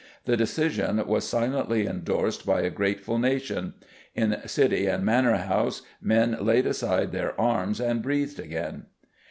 The decision was silently endorsed by a grateful nation. In city and manor house men laid aside their arms and breathed again."